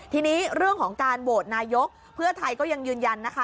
ทีนี้เรื่องของการโหวตนายกเพื่อไทยก็ยังยืนยันนะคะ